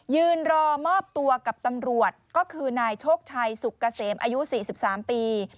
ยืนรอมอบตัวกับตำรวจก็คือนายโชคชัยสุกเกษมอายุ๔๓ปี